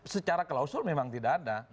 secara klausul memang tidak ada